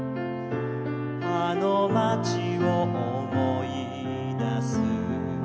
「あの街を思い出す」